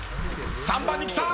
３番にきた。